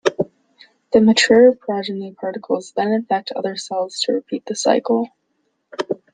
The mature progeny particles then infect other cells to repeat the cycle.